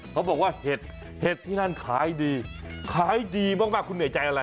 เขาบอกว่าเห็ดเห็ดที่นั่นขายดีขายดีมากคุณเหนื่อยใจอะไร